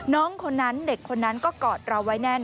น้องคนนั้นเด็กคนนั้นก็กอดเราไว้แน่น